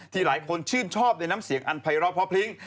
หลายคนชื่นชอบในน้ำเสียงอันไพร้อเพาะพริ้ง